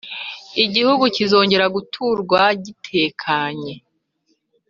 Igihugu kizongera guturwa gitekanye